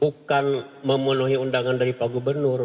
bukan memenuhi undangan dari pak gubernur